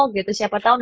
gitu siapa tau nanti